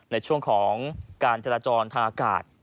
ในช่วงของการจราจรทางอากาศ